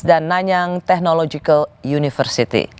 dan nanyang technological university